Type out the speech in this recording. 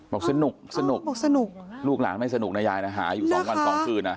บอกสนุกลูกหลานไม่สนุกนะยายหาอยู่๒วัน๒คืน